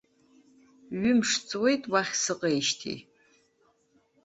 Ҩымш ҵуеит уахь сыҟеижьҭеи.